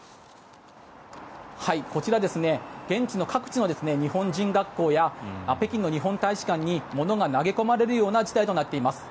こちら現地の各地の日本人学校や北京の日本大使館に物が投げ込まれるような事態となっています。